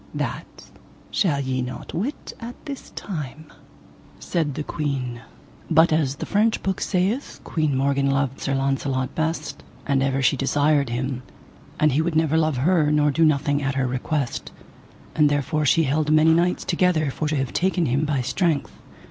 That shall ye not wit as at this time, said the queen. But as the French book saith, Queen Morgan loved Sir Launcelot best, and ever she desired him, and he would never love her nor do nothing at her request, and therefore she held many knights together for to have taken him by strength.